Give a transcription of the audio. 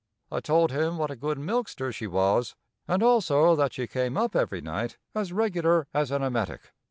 I told him what a good milkster she was, and also that she came up every night as regular as an emetic.